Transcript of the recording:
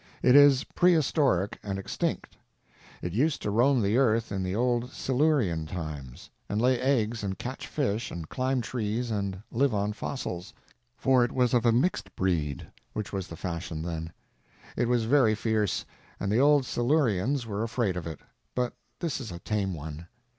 It is prehistoric and extinct. It used to roam the earth in the Old Silurian times, and lay eggs and catch fish and climb trees and live on fossils; for it was of a mixed breed, which was the fashion then. It was very fierce, and the Old Silurians were afraid of it, but this is a tame one.